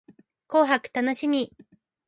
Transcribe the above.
紅白楽しみ